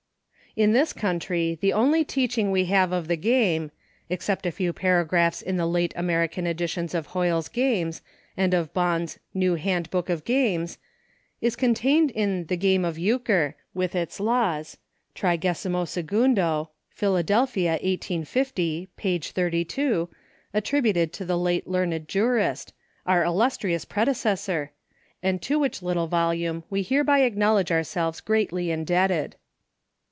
In this country the only teaching we have of the game — except a few paragraphs in the late American editions of Hoyle's Games, and of Bohn's New Hand Book of Games — is contained in The Game of Euchre ; with its Laws, 32mo., Philadelphia, 1850, pp. 32, attributed to a late learned jurist — a our illus trious predecessor" — and to which little vol ume we hereby acknowledge ourselves greatly indebted.